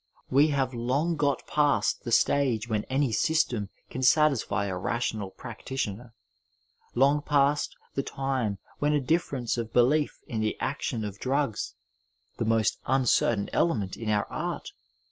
We have long got pas^ the stage whe^a a^y '' system " can satisfy a rational practitioner, long past the time when a difference of belief in the action of drugs ^he most uncertain element in our art